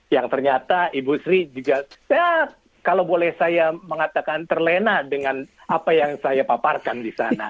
yang ternyata ibu sri juga kalau boleh saya mengatakan terlena dengan apa yang saya paparkan di sana